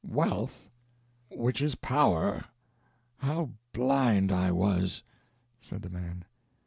"Wealth which is power! How blind I was!" said the man.